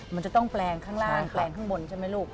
มันจะต้องแปลงข้างล่างแปลงข้างบนใช่ไหมลูก